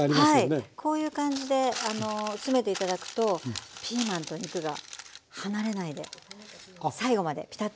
はいこういう感じで詰めて頂くとピーマンと肉が離れないで最後までピタッとくっついて。